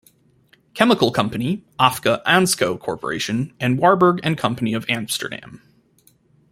Chemical Company, Agfa Ansco Corporation, and Warburg and Company of Amsterdam.